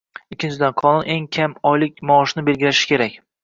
Ikkinchidan, qonun eng kam oylik maoshni belgilashi kerak